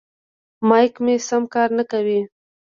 مایک مې سم کار نه کوي.